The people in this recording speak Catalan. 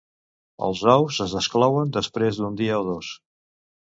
Els ous es desclouen després d'un dia o dos.